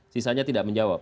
sisanya tidak menjawab